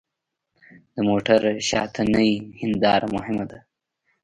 د موټر شاتنۍ هېنداره مهمه ده.